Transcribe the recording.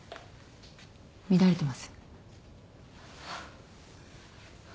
乱れてますよ。